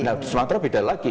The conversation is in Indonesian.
nah di sumatera beda lagi